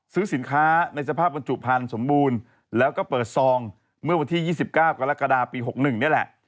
ซื้อสินค้าในสภาพบรรจุพันธุ์สมบูรณ์แล้วก็เปิดซองเมื่อวันที่๒๙กรกฎาปี๖๑นี่แหละ